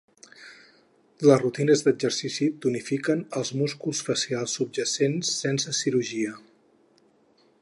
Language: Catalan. Les rutines d'exercici tonifiquen els músculs facials subjacents sense cirurgia.